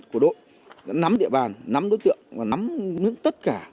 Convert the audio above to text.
với quyết tâm không để nạn nhân bị đối tượng xung thị xùa